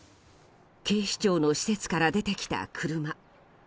警視庁の施設から出てきた車。